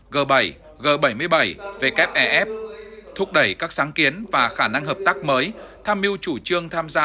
g bảy g bảy mươi bảy wef thúc đẩy các sáng kiến và khả năng hợp tác mới tham mưu chủ trương tham gia